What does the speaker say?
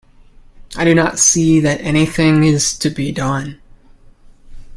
I do not see that anything is to be done.